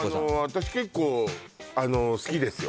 私結構好きですよ